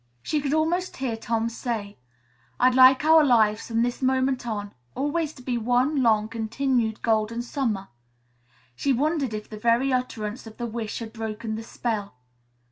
She could almost hear Tom say, "I'd like our lives, from this moment on, always to be one long, continued Golden Summer." She wondered if the very utterance of the wish had broken the spell.